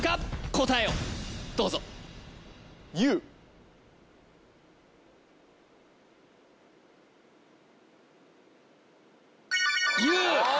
答えをどうぞＵ！